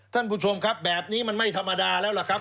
ท่านผู้ชมครับแบบนี้มันไม่ธรรมดาแล้วล่ะครับ